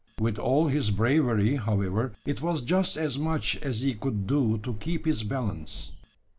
With all his bravery, however, it was just as much as he could do to keep his balance.